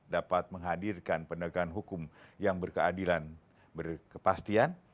dapat menghadirkan penegakan hukum yang berkeadilan berkepastian